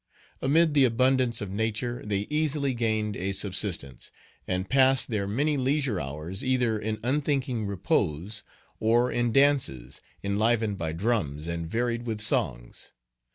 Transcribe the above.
Amid the abundance of nature, they easily gained a subsistence, and passed their many leisure hours either in unthinking repose, or in dances, enlivened by drums, and varied with songs.